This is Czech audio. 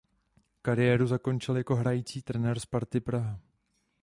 Kariéru zakončil jako hrající trenér Sparty Praha.